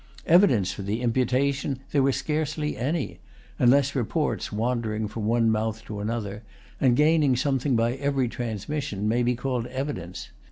Evidence for the imputation there was scarcely any; unless reports wandering from one mouth to another, and gaining something by every transmission, may be called evidence.